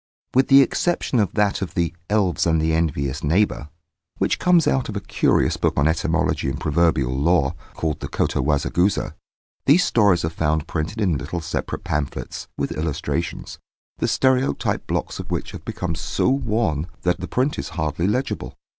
With the exception of that of the "Elves and the Envious Neighbour," which comes out of a curious book on etymology and proverbial lore, called the Kotowazagusa, these stories are found printed in little separate pamphlets, with illustrations, the stereotype blocks of which have become so worn that the print is hardly legible.